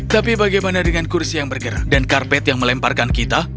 tapi bagaimana dengan kursi yang bergerak dan karpet yang melemparkan kita